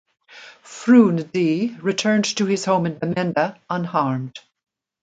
Fru Ndi returned to his home in Bamenda unharmed.